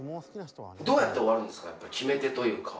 どうやって終わるんですか？